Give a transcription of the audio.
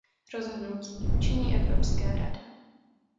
Rozhodnutí učiní Evropská rada.